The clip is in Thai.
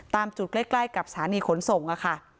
ตามจุดใกล้กับสถานีขนส่งค่ะ